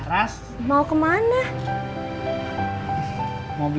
masa itu udah berhasil